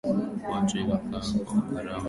watu inakua kwa gharama ya Warusi na wakaazi